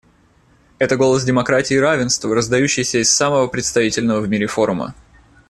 Это голос демократии и равенства, раздающийся из самого представительного в мире форума.